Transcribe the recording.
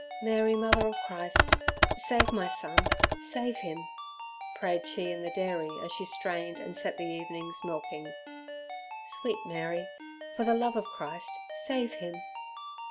"Mary, Mother of Christ! save my son! Save him!" prayed she in the dairy as she strained and set the evening's milking "Sweet Mary! for the love of Christ, save him!"